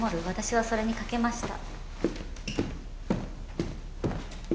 私はそれに賭けました。